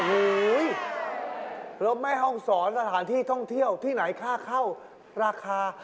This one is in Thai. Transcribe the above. โอ้โหแล้วแม่ห้องศรสถานที่ท่องเที่ยวที่ไหนค่าเข้าราคา